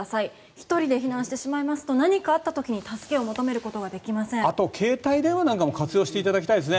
１人で避難してしまいますと何かあった時にあと、携帯電話なんかも活用していただきたいですね。